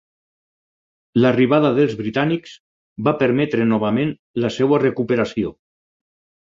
L'arribada dels britànics va permetre novament la seva recuperació.